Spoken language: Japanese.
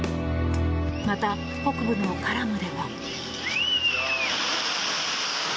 また、北部のカラムでは。